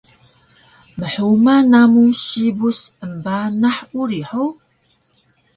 Mhuma namu sibus embanah uri hug?